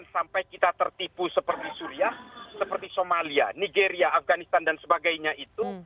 sampai kita tertipu seperti suriah seperti somalia nigeria afganistan dan sebagainya itu